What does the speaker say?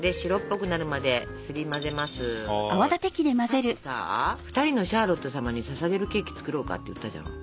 さっきさ２人のシャーロット様にささげるケーキ作ろうかって言ったじゃん？